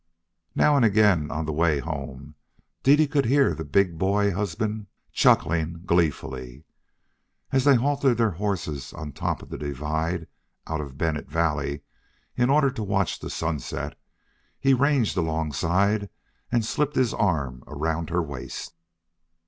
Now and again, on the way home, Dede could hear her big boy husband chuckling gleefully. As they halted their horses on the top of the divide out of Bennett Valley, in order to watch the sunset, he ranged alongside and slipped his arm around her waist.